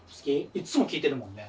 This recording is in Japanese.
いっつも聴いてるもんね。